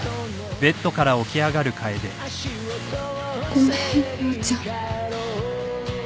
ごめん陽ちゃん。